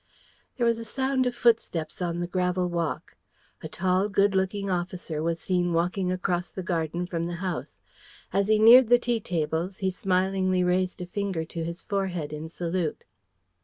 There was a sound of footsteps on the gravel walk. A tall, good looking young officer was seen walking across the garden from the house. As he neared the tea tables he smilingly raised a finger to his forehead in salute.